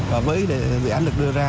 và với dự án được đưa ra